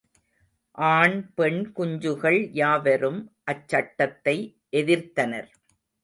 ஆண், பெண், குஞ்சுகள் யாவரும் அச்சட்டத்தை எதிர்த்தனர்.